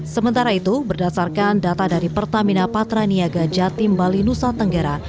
sementara itu berdasarkan data dari pertamina patraniaga jatim bali nusa tenggara